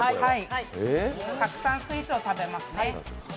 たくさんスイーツを食べますね。